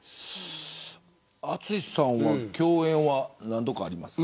淳さんは共演は何度かありますか。